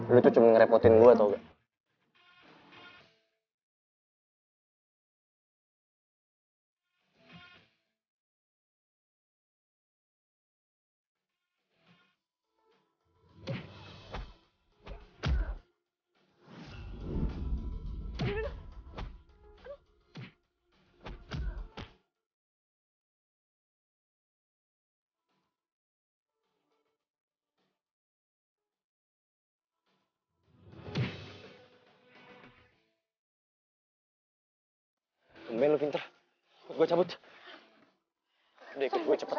lo tuh cuma ngerepotin gue tau gak